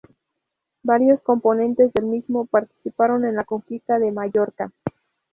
Varios componentes del mismo participaron en la conquista de Mallorca.